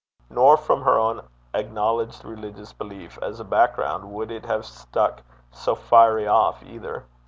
Nor from her own acknowledged religious belief as a background would it have stuck so fiery off either.